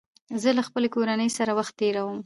زه له خپلې کورنۍ سره وخت تېروم